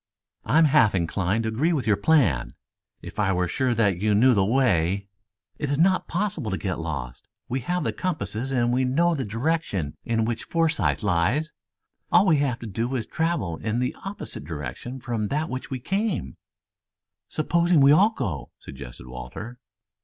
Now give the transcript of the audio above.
"I am half inclined to agree to your plan. If I were sure that you knew the way " "It is not possible to get lost. We have the compasses and we know the direction in which Forsythe lies. All we have to do is to travel in an opposite direction from that by which we came." "Supposing we all go!" suggested Walter.